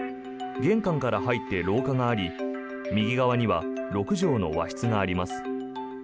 玄関から入って廊下があり右側には６畳の和室があります。